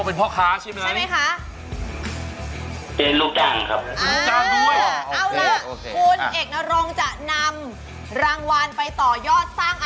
โอ้โฮพ่อค้าใช่ไหม